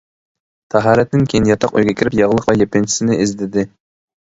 تاھارەتتىن كېيىن ياتاق ئۆيگە كىرىپ ياغلىق ۋە يېپىنچىسىنى ئىزدىدى.